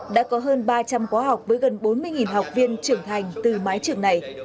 đã có hơn ba trăm linh quá học với gần bốn mươi học viên trưởng thành từ mái trường này